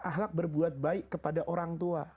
ahlak berbuat baik kepada orang tua